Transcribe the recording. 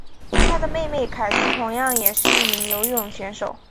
她的妹妹凯蒂同样也是一名游泳选手。